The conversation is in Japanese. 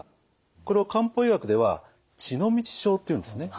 これを漢方医学では血の道症っていうんですね。